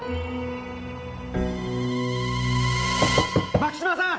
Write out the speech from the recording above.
牧島さん！